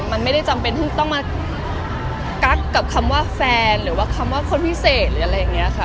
มันไม่ได้จำเป็นที่ต้องมากักกับคำว่าแฟนหรือว่าคำว่าคนพิเศษหรืออะไรอย่างนี้ค่ะ